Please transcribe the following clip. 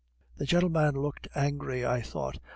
The gentleman looked angry, I thought.